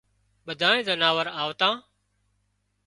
ٻڌانئي زناور آوتان